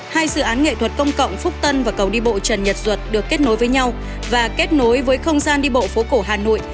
hai dự án nghệ thuật công cộng phúc tân và cầu đi bộ trần nhật duật được kết nối với nhau và kết nối với không gian đi bộ phố cổ hà nội